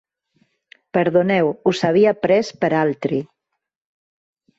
Perdoneu: us havia pres per altri.